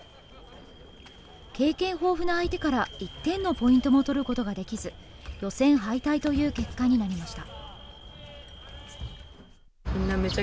経験豊富な相手から１点のポイントも取ることができず、予選敗退という結果になりました。